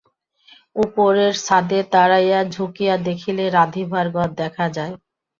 উপরের ছাদে দাঁড়াইয়া ঝুঁকিয়া দেখিলে রাঁধিবার ঘর দেখা যায়।